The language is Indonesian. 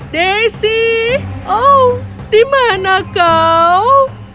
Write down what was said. daisy oh dimana kau